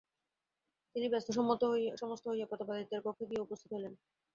তিনি ব্যস্তসমস্ত হইয়া প্রতাপাদিত্যের কক্ষে গিয়া উপস্থিত হইলেন।